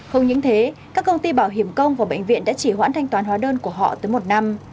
không những thế các công ty bảo hiểm công và bệnh viện đã chỉ hoãn thanh toán hóa đơn của họ tới một năm